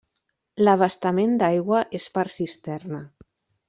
L'abastament d'aigua és per cisterna.